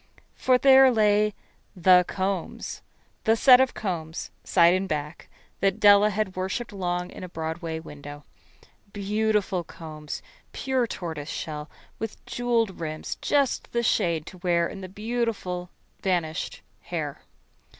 For there lay The Combs the set of combs, side and back, that Della had worshipped for long in a Broadway window. Beautiful combs, pure tortoise shell, with jewelled rims just the shade to wear in the beautiful vanished hair.